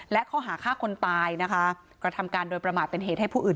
และข้อหาฆ่าคนตายนะคะกระทำการโดยประมาทเป็นเหตุให้ผู้อื่น